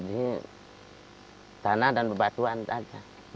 ini tanah dan bebatuan saja